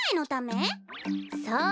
そう。